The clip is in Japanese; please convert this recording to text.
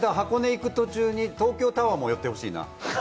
行く途中に東京タワーも寄ってほしいな。